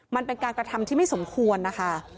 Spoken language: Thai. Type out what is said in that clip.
มันเป็นการกระทำที่ไม่สมควรนะคะ